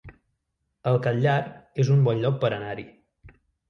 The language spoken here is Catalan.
El Catllar es un bon lloc per anar-hi